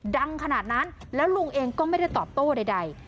ดังขนาดนั้นแล้วลุงเองก็ไม่ได้ตอบโต้ใด